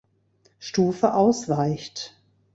Stufe ausweicht.